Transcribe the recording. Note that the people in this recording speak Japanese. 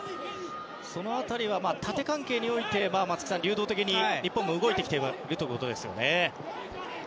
その辺りは縦関係において流動的に日本も動いているということですね。